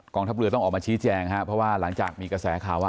ทัพเรือต้องออกมาชี้แจงครับเพราะว่าหลังจากมีกระแสข่าวว่า